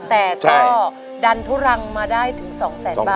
แต่ก็ดันทุรังมาได้ถึง๒แสนบาท